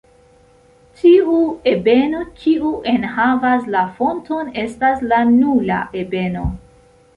Tiu ebeno kiu enhavas la fonton estas la "nula" ebeno.